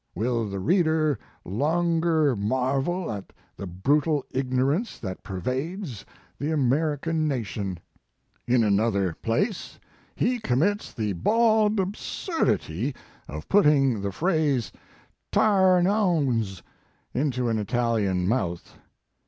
Will the reader longer marvel at the brutal ignorance that pervades the Amer ican nation. "In another place he commits the bald absurdity of putting the phrase tare an ouns into an Italian mouth.